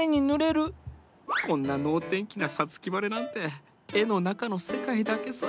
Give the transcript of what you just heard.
こんな能天気な五月晴れなんて絵の中の世界だけさ。